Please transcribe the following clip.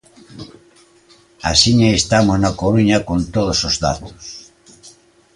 Axiña estamos na Coruña con todos os datos.